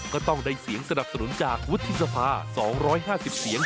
ก็ต้องได้เสียงสนับสนุนจากวัฒนภาสองร้อยห้าสิบเสียง